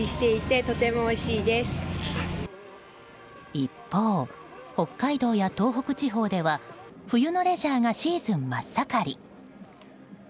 一方、北海道や東北地方では冬のレジャーがシーズン真っ盛り。